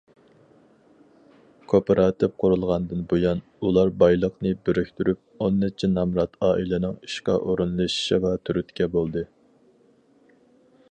كوپىراتىپ قۇرۇلغاندىن بۇيان، ئۇلار بايلىقنى بىرىكتۈرۈپ، ئون نەچچە نامرات ئائىلىنىڭ ئىشقا ئورۇنلىشىشىغا تۈرتكە بولدى.